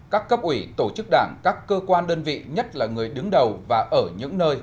các cấp ủy tổ chức đảng các cơ quan đơn vị nhất là người đứng đầu và ở những nơi